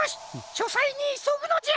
しょさいにいそぐのじゃ！